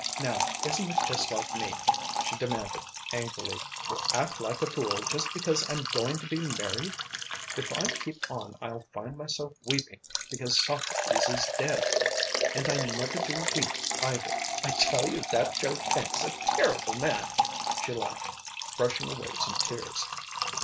Now, isn't it just like me," she demanded, angrily, "to act like a fool just because I'm going to be married? If I keep on I'll find myself weeping because Socrates is dead. And I never do weep, either. I tell you that Joe Tank's a terrible man," she laughed, brushing away some tears.